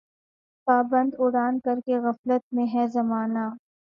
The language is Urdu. پابند اڑان کر کے غفلت میں ہے زمانہ